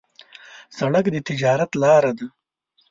سړک د تجارت لاره ده.